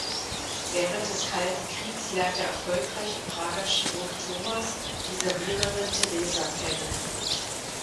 Während des Kalten Kriegs lernt der erfolgreiche Prager Chirurg Tomas die Serviererin Teresa kennen.